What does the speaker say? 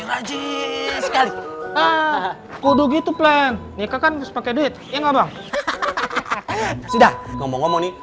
rajin sekali kudu gitu plan nikah kan harus pakai duit yang abang sudah ngomong ngomong